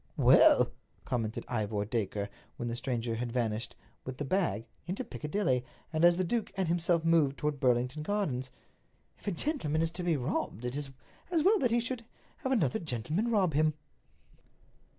"Well," commented Ivor Dacre, when the stranger had vanished, with the bag, into Piccadilly, and as the duke and himself moved toward Burlington Gardens, "if a gentleman is to be robbed, it is as well that he should have another gentleman rob him."